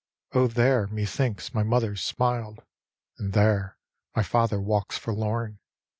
" Oh, there, methinks, my mother smiled. And there my father walks forlorn.